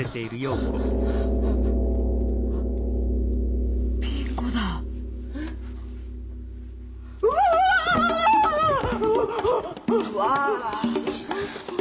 うわ。